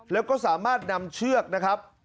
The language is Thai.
แล้วก็สามารถนำเชือกนะครับ